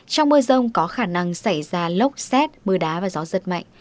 trong mưa rồng có khả năng xảy ra lốc xét mưa đá và gió rất mạnh